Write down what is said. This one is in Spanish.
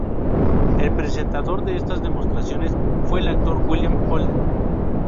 El presentador de estas demostraciones fue el actor William Holden.